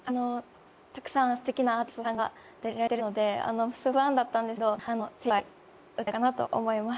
たくさんすてきなアーティストさんが出られてるのですごい不安だったんですけど精いっぱい歌えたかなと思います。